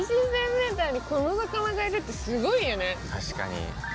確かに。